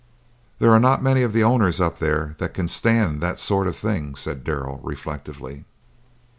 "There are not many of the owners up there that can stand that sort of thing," said Darrell, reflectively.